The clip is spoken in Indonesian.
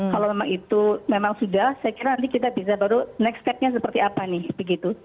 kalau memang itu memang sudah saya kira nanti kita bisa baru next stepnya seperti apa nih begitu